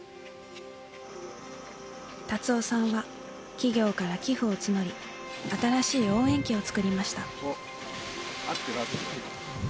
達夫さんは企業から寄付を募り新しい応援旗を作りました。